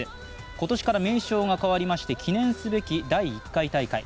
今年から名称が変わりまして記念すべき第１回大会。